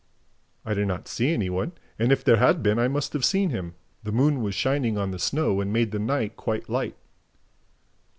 "I did not see any one; and, if there had been, I must have seen him. The moon was shining on the snow and made the night quite light."